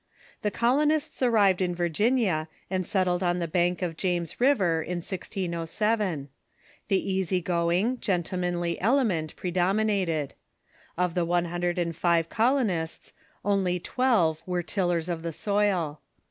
The colonists ""^ arrived in Virginia, and settled on the bank of James River, in 1607. The easy going, gentlemanly element predom inated. Of the one hundred and five colonists, only twelve were tillers of the soil.